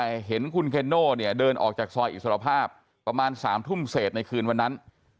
แต่เห็นคุณเคนโน่เนี่ยเดินออกจากซอยอิสรภาพประมาณ๓ทุ่มเศษในคืนวันนั้น